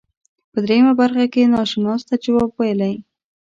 په دریمه برخه کې ناشناس ته جواب ویلی.